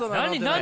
「何？